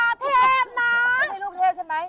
เขาไม่ใช่ลูกเทพใช่ไหม